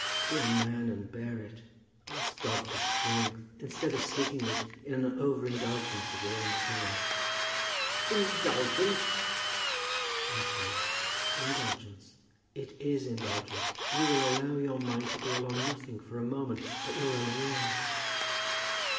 Be a man and bear it. Ask God for strength, instead of seeking it in an over indulgence of your own sorrow." "Indulgence!" "Yes, love; indulgence. It is indulgence. You will allow your mind to dwell on nothing for a moment but your own wrongs."